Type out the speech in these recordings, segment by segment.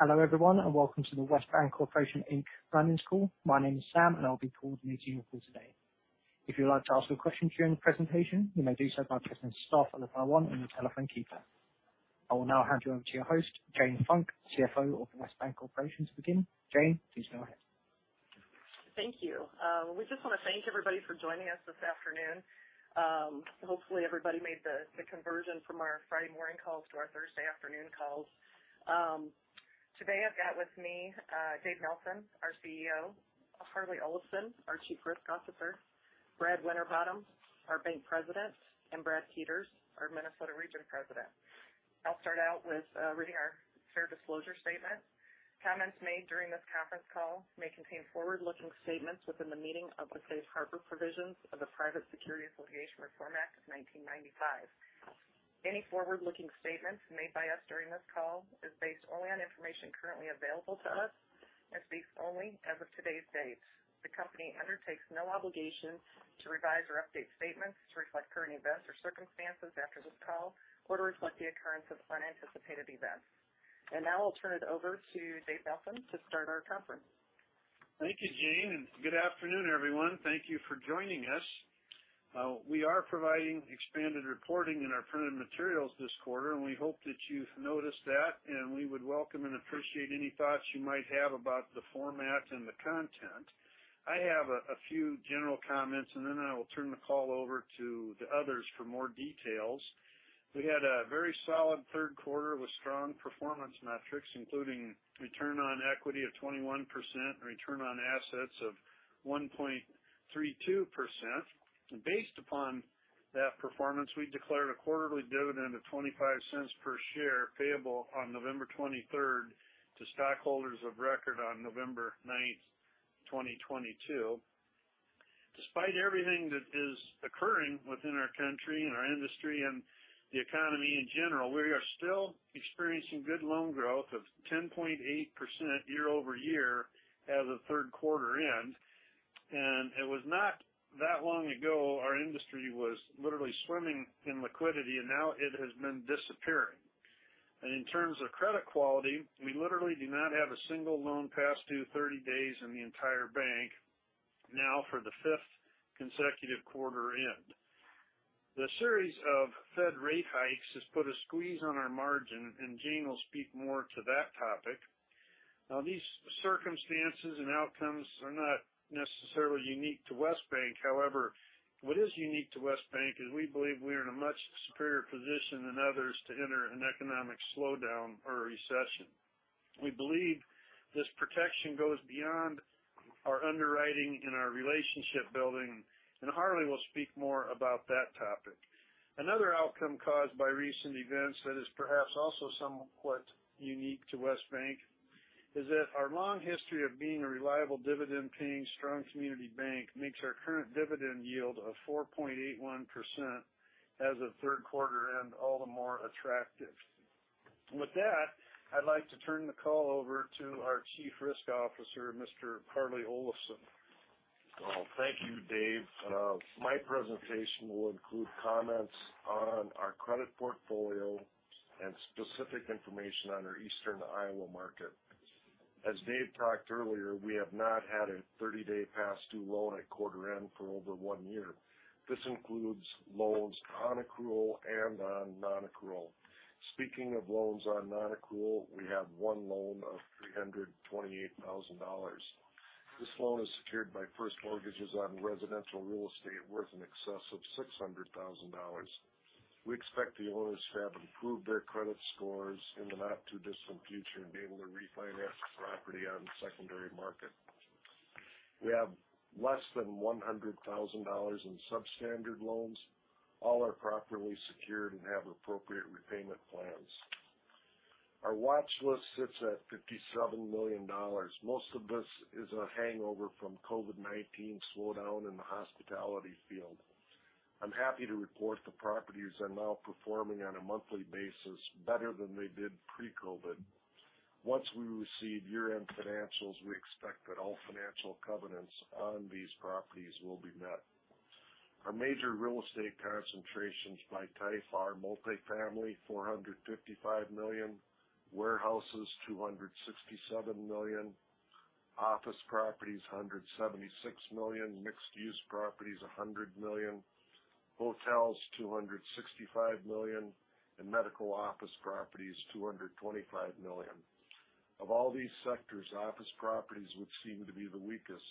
Hello, everyone, and welcome to the West Bancorporation, Inc. earnings call. My name is Sam, and I'll be coordinating your call today. If you'd like to ask a question during the presentation, you may do so by pressing star followed by one on your telephone keypad. I will now hand you over to your host, Jane Funk, CFO of West Bancorporation, Inc. to begin. Jane, please go ahead. Thank you. We just wanna thank everybody for joining us this afternoon. Hopefully, everybody made the conversion from our Friday morning calls to our Thursday afternoon calls. Today I've got with me, Dave Nelson, our CEO, Harlee Olafson, our Chief Risk Officer, Brad Winterbottom, our Bank President, and Brad Peters, our Minnesota Region President. I'll start out with reading our fair disclosure statement. Comments made during this conference call may contain forward-looking statements within the meaning of the Safe Harbor provisions of the Private Securities Litigation Reform Act of 1995. Any forward-looking statements made by us during this call is based only on information currently available to us and speaks only as of today's date. The company undertakes no obligation to revise or update statements to reflect current events or circumstances after this call or to reflect the occurrence of unanticipated events. Now I'll turn it over to Dave Nelson to start our conference. Thank you, Jane, and good afternoon, everyone. Thank you for joining us. We are providing expanded reporting in our printed materials this quarter, and we hope that you've noticed that, and we would welcome and appreciate any thoughts you might have about the format and the content. I have a few general comments, and then I will turn the call over to the others for more details. We had a very solid third quarter with strong performance metrics, including return on equity of 21% and return on assets of 1.32%. Based upon that performance, we declared a quarterly dividend of $0.25 per share payable on November 23rd to stockholders of record on November 9th, 2022. Despite everything that is occurring within our country and our industry and the economy in general, we are still experiencing good loan growth of 10.8% year-over-year as of third quarter end. It was not that long ago our industry was literally swimming in liquidity, and now it has been disappearing. In terms of credit quality, we literally do not have a single loan past due 30 days in the entire bank now for the fifth consecutive quarter end. The series of Fed rate hikes has put a squeeze on our margin, and Jane will speak more to that topic. Now, these circumstances and outcomes are not necessarily unique to West Bank. However, what is unique to West Bank is we believe we are in a much superior position than others to enter an economic slowdown or a recession. We believe this protection goes beyond our underwriting and our relationship building, and Harlee Olafson will speak more about that topic. Another outcome caused by recent events that is perhaps also somewhat unique to West Bank is that our long history of being a reliable dividend-paying, strong community bank makes our current dividend yield of 4.81% as of third quarter end all the more attractive. With that, I'd like to turn the call over to our chief risk officer, Mr. Harlee Olafson. Well, thank you, Dave. My presentation will include comments on our credit portfolio and specific information on our Eastern Iowa market. As Dave talked earlier, we have not had a 30-day past due loan at quarter end for over one year. This includes loans on accrual and on non-accrual. Speaking of loans on non-accrual, we have one loan of $328,000. This loan is secured by first mortgages on residential real estate worth in excess of $600,000. We expect the owners to have improved their credit scores in the not-too-distant future and be able to refinance the property on the secondary market. We have less than $100,000 in substandard loans. All are properly secured and have appropriate repayment plans. Our watch list sits at $57 million. Most of this is a hangover from COVID-19 slowdown in the hospitality field. I'm happy to report the properties are now performing on a monthly basis better than they did pre-COVID. Once we receive year-end financials, we expect that all financial covenants on these properties will be met. Our major real estate concentrations by type are multifamily, $455 million, warehouses, $267 million, office properties, $176 million, mixed-use properties, $100 million, hotels, $265 million, and medical office properties, $225 million. Of all these sectors, office properties would seem to be the weakest.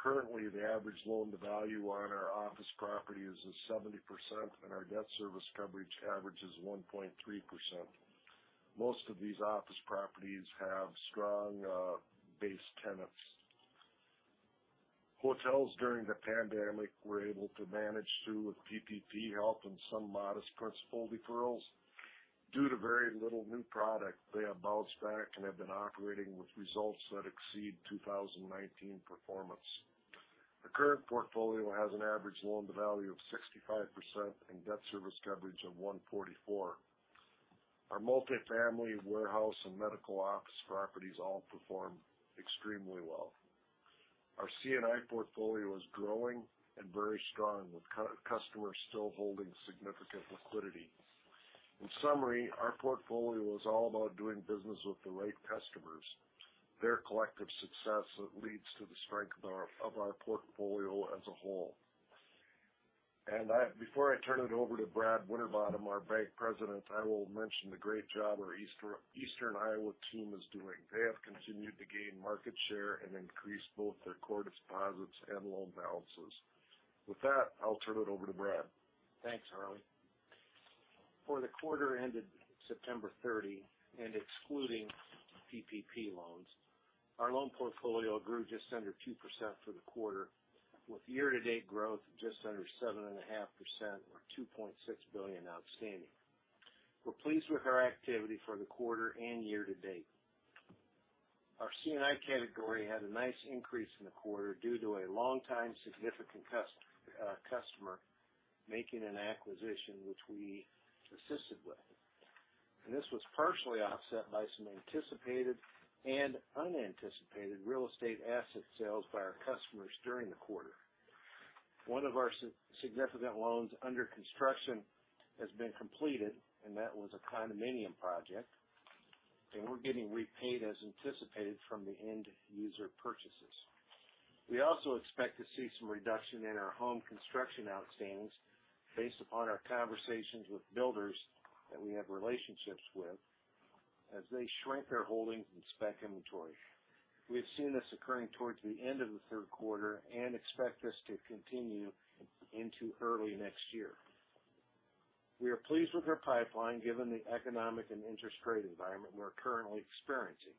Currently, the average loan to value on our office properties is 70%, and our debt service coverage averages 1.3%. Most of these office properties have strong base tenants. Hotels during the pandemic were able to manage through with PPP help and some modest principal deferrals. Due to very little new product, they have bounced back and have been operating with results that exceed 2019 performance. The current portfolio has an average loan-to-value of 65% and debt service coverage of 1.44. Our multifamily warehouse and medical office properties all perform extremely well. Our C&I portfolio is growing and very strong, with customers still holding significant liquidity. In summary, our portfolio is all about doing business with the right customers. Their collective success leads to the strength of our portfolio as a whole. Before I turn it over to Brad Winterbottom, our bank president, I will mention the great job our Eastern Iowa team is doing. They have continued to gain market share and increase both their core deposits and loan balances. With that, I'll turn it over to Brad. Thanks, Harlee. For the quarter ended September 30, and excluding PPP loans, our loan portfolio grew just under 2% for the quarter, with year-to-date growth just under 7.5% or $2.6 billion outstanding. We're pleased with our activity for the quarter and year to date. Our C&I category had a nice increase in the quarter due to a longtime significant customer making an acquisition which we assisted with. This was partially offset by some anticipated and unanticipated real estate asset sales by our customers during the quarter. One of our significant loans under construction has been completed, and that was a condominium project, and we're getting repaid as anticipated from the end user purchases. We also expect to see some reduction in our home construction outstandings based upon our conversations with builders that we have relationships with as they shrink their holdings in spec inventory. We have seen this occurring towards the end of the third quarter and expect this to continue into early next year. We are pleased with our pipeline given the economic and interest rate environment we're currently experiencing.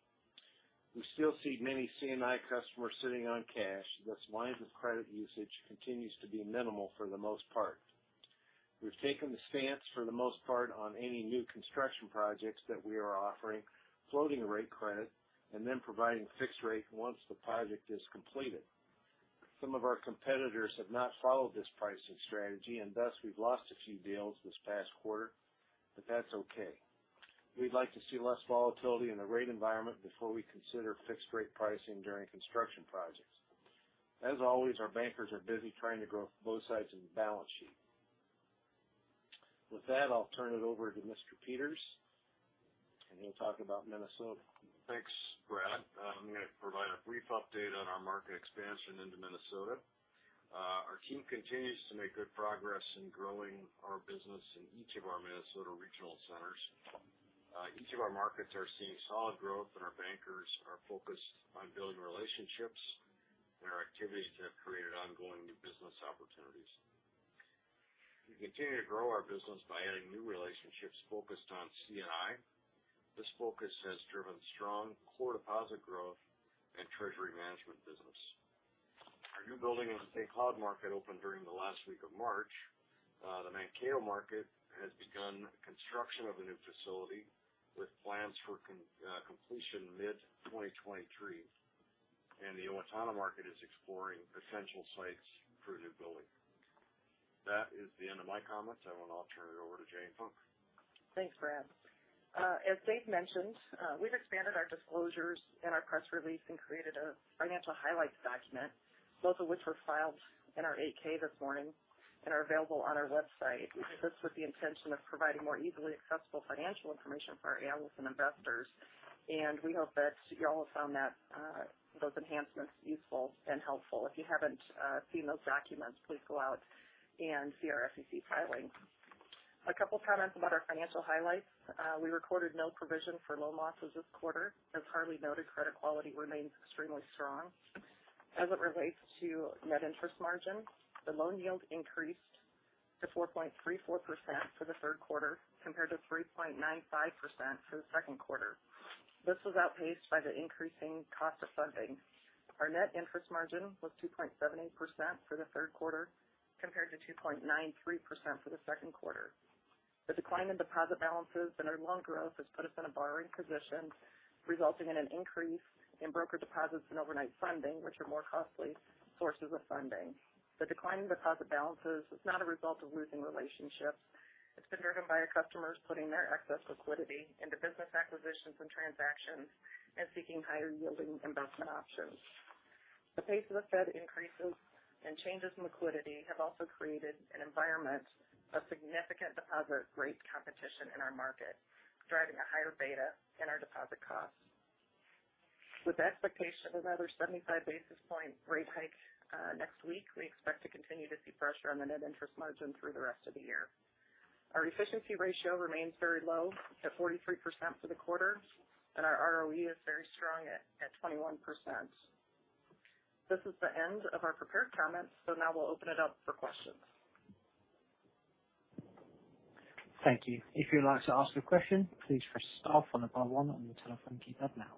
We still see many C&I customers sitting on cash, thus lines of credit usage continues to be minimal for the most part. We've taken the stance, for the most part, on any new construction projects that we are offering floating rate credit and then providing fixed rate once the project is completed. Some of our competitors have not followed this pricing strategy and thus we've lost a few deals this past quarter, but that's okay. We'd like to see less volatility in the rate environment before we consider fixed rate pricing during construction projects. As always, our bankers are busy trying to grow both sides of the balance sheet. With that, I'll turn it over to Mr. Peters, and he'll talk about Minnesota. Thanks, Brad. I'm gonna provide a brief update on our market expansion into Minnesota. Our team continues to make good progress in growing our business in each of our Minnesota regional centers. Each of our markets are seeing solid growth and our bankers are focused on building relationships and our activities that have created ongoing new business opportunities. We continue to grow our business by adding new relationships focused on C&I. This focus has driven strong core deposit growth and treasury management business. Our new building in St. Cloud market opened during the last week of March. The Mankato market has begun construction of a new facility with plans for completion mid-2023. The Owatonna market is exploring potential sites for a new building. That is the end of my comments, and I'll turn it over to Jane Funk. Thanks, Brad. As David mentioned, we've expanded our disclosures in our press release and created a financial highlights document, both of which were filed in our 8-K this morning and are available on our website. We did this with the intention of providing more easily accessible financial information for our analysts and investors, and we hope that you all have found that those enhancements useful and helpful. If you haven't seen those documents, please go out and see our SEC filing. A couple comments about our financial highlights. We recorded no provision for loan losses this quarter. As Harlee noted, credit quality remains extremely strong. As it relates to net interest margin, the loan yield increased to 4.34% for the third quarter compared to 3.95% for the second quarter. This was outpaced by the increasing cost of funding. Our net interest margin was 2.78% for the third quarter compared to 2.93% for the second quarter. The decline in deposit balances and our loan growth has put us in a borrowing position, resulting in an increase in broker deposits and overnight funding, which are more costly sources of funding. The decline in deposit balances is not a result of losing relationships. It's been driven by our customers putting their excess liquidity into business acquisitions and transactions and seeking higher yielding investment options. The pace of the Fed increases and changes in liquidity have also created an environment of significant deposit rate competition in our market, driving a higher beta in our deposit costs. With the expectation of another 75 basis point rate hike next week, we expect to continue to see pressure on the net interest margin through the rest of the year. Our efficiency ratio remains very low at 43% for the quarter, and our ROE is very strong at 21%. This is the end of our prepared comments, so now we'll open it up for questions. Thank you. If you'd like to ask a question, please press star followed by one on your telephone keypad now.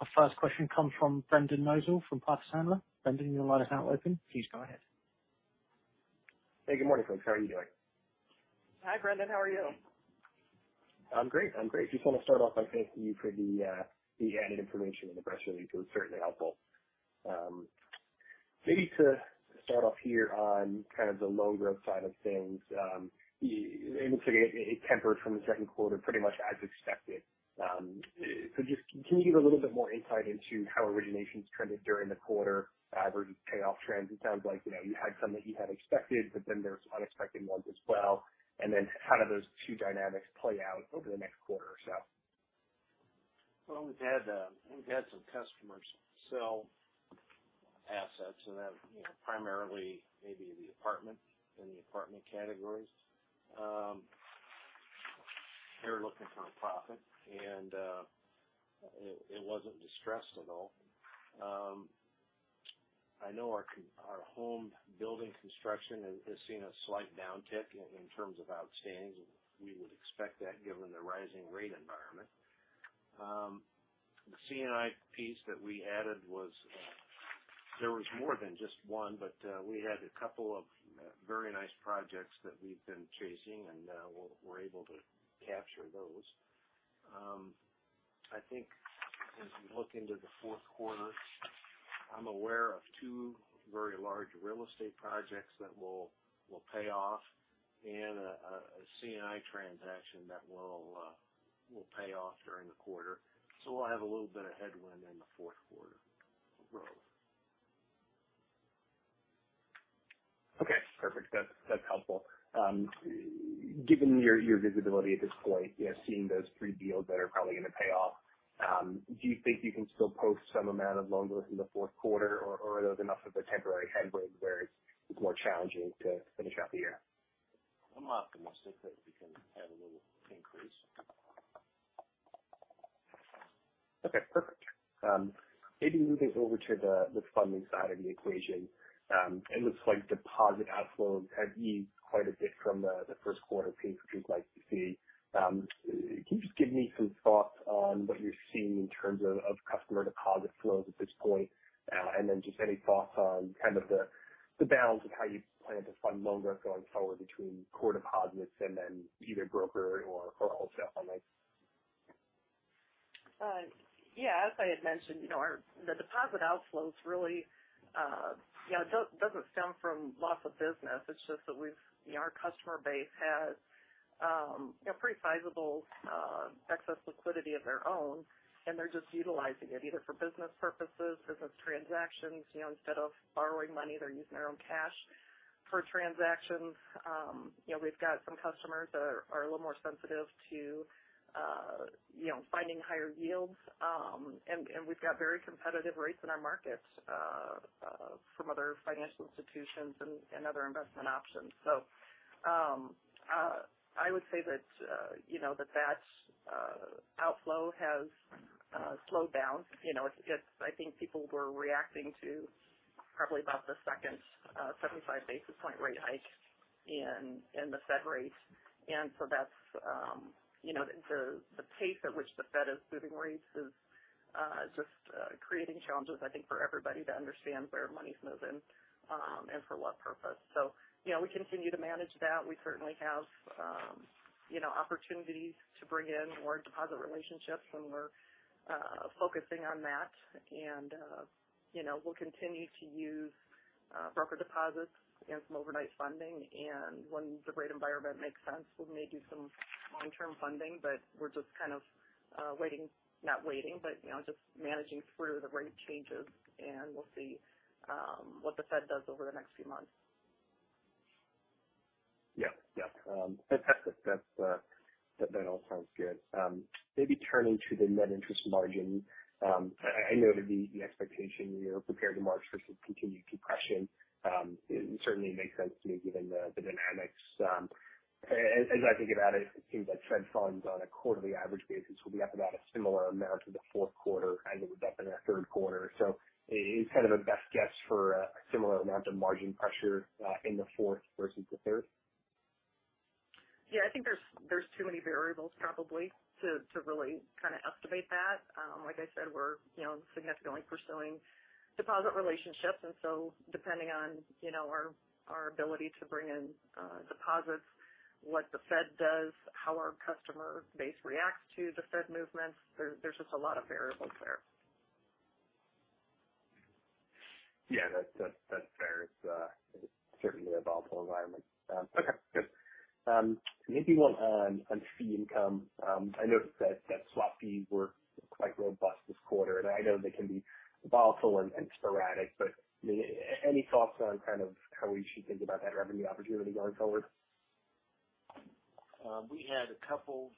Our first question comes from Nathan Race from Piper Sandler. Nathan, your line is now open. Please go ahead. Hey, good morning, folks. How are you doing? Hi, Nathan. How are you? I'm great. Just want to start off by thanking you for the added information in the press release. It was certainly helpful. Maybe to start off here on kind of the loan growth side of things, it looks like it tempered from the second quarter pretty much as expected. So just can you give a little bit more insight into how originations trended during the quarter, average payoff trends? It sounds like, you know, you had some that you had expected, but then there's unexpected ones as well. Then how do those two dynamics play out over the next quarter or so? Well, we've had some customers sell assets and that, you know, primarily maybe the apartment, in the apartment categories. They're looking for a profit and it wasn't distressed at all. I know our home building construction has seen a slight downtick in terms of outstandings. We would expect that given the rising rate environment. The C&I piece that we added was there was more than just one, but we had a couple of very nice projects that we've been chasing and we're able to capture those. I think as we look into the fourth quarter, I'm aware of two very large real estate projects that will pay off and a C&I transaction that will pay off during the quarter. We'll have a little bit of headwind in the fourth quarter growth. Okay, perfect. That's helpful. Given your visibility at this point, you know, seeing those three deals that are probably gonna pay off, do you think you can still post some amount of loan growth in the fourth quarter or are those enough of a temporary headwind where it's more challenging to finish out the year? I'm optimistic that we can have a little increase. Okay, perfect. Maybe moving over to the funding side of the equation. It looks like deposit outflows have eased quite a bit from the first quarter pace, which we'd like to see. Can you just give me some thoughts on what you're seeing in terms of customer deposit flows at this point? And then just any thoughts on kind of the balance of how you plan to fund loan growth going forward between core deposits and then either broker or wholesale funding. Yeah, as I had mentioned, you know, our deposit outflows really, you know, it doesn't stem from loss of business. It's just that we've, you know, our customer base has, you know, pretty sizable excess liquidity of their own, and they're just utilizing it either for business purposes, business transactions, you know, instead of borrowing money, they're using their own cash for transactions. You know, we've got some customers that are a little more sensitive to, you know, finding higher yields. We've got very competitive rates in our markets, from other financial institutions and other investment options. I would say that, you know, that outflow has slowed down. You know, it's, I think people were reacting to probably about the second 75 basis point rate hike in the Fed rate. That's, you know, the pace at which the Fed is moving rates is just creating challenges I think for everybody to understand where money's moving, and for what purpose. You know, we continue to manage that. We certainly have, you know, opportunities to bring in more deposit relationships and we're focusing on that. You know, we'll continue to use broker deposits and some overnight funding. When the rate environment makes sense, we may do some long-term funding, but we're just kind of waiting, not waiting, but, you know, just managing through the rate changes and we'll see what the Fed does over the next few months. Yeah. Yeah. That's all sounds good. Maybe turning to the net interest margin. I know that the expectation you're prepared to match versus continued compression, it certainly makes sense to me given the dynamics. As I think about it seems like Fed funds on a quarterly average basis will be up about a similar amount to the fourth quarter as it was up in the third quarter. It's kind of a best guess for a similar amount of margin pressure in the fourth versus the third. Yeah, I think there's too many variables probably to really kind of estimate that. Like I said, we're, you know, significantly pursuing deposit relationships and so depending on, you know, our ability to bring in deposits, what the Fed does, how our customer base reacts to the Fed movements, there's just a lot of variables there. Yeah, that's fair. It's certainly a volatile environment. Okay, good. Maybe one on fee income. I noticed that swap fees were quite robust this quarter, and I know they can be volatile and sporadic, but any thoughts on kind of how we should think about that revenue opportunity going forward? We had a couple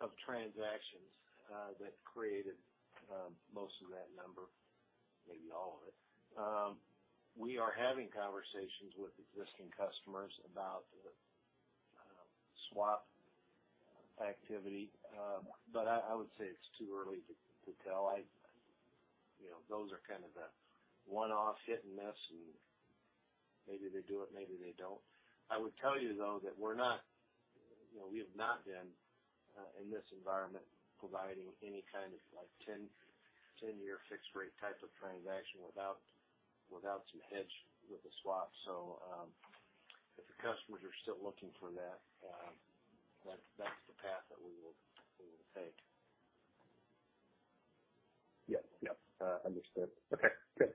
of transactions that created most of that number, maybe all of it. We are having conversations with existing customers about swap activity. I would say it's too early to tell. I you know, those are kind of a one-off hit and miss, and maybe they do it, maybe they don't. I would tell you though that we're not, you know, we have not been in this environment providing any kind of like 10-year fixed rate type of transaction without some hedge with a swap. If the customers are still looking for that's the path that we will take. Yes. Yep. Understood. Okay, good.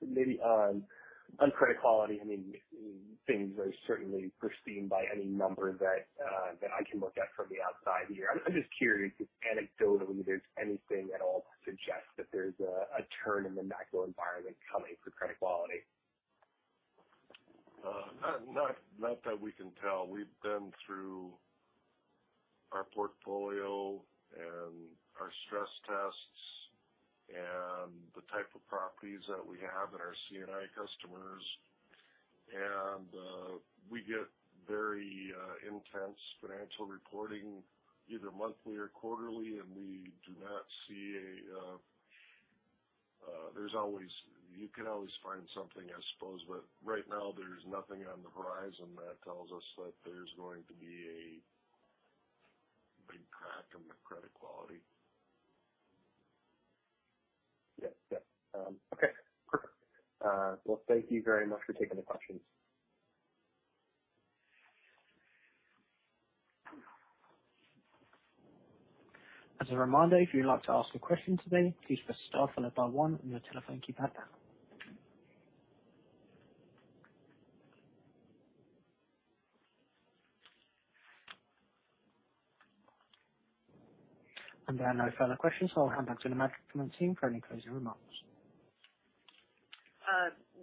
Maybe on credit quality, I mean, things are certainly pristine by any number that I can look at from the outside here. I'm just curious if anecdotally there's anything at all to suggest that there's a turn in the macro environment coming for credit quality. Not that we can tell. We've been through our portfolio and our stress tests and the type of properties that we have in our C&I customers. We get very intense financial reporting either monthly or quarterly, and we do not see a. There's always. You can always find something, I suppose. Right now there's nothing on the horizon that tells us that there's going to be a big crack in the credit quality. Yes. Yep. Okay. Perfect. Well, thank you very much for taking the questions. As a reminder, if you'd like to ask a question today, please press star followed by one on your telephone keypad. There are no further questions, so I'll hand back to the management team for any closing remarks.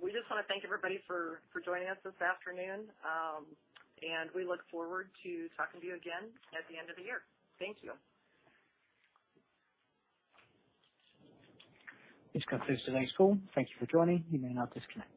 We just wanna thank everybody for joining us this afternoon. We look forward to talking to you again at the end of the year. Thank you. This concludes today's call. Thank you for joining. You may now disconnect.